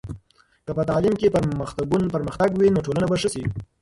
که په تعلیم کې پرمختګ وي، نو ټولنه به ښه شي.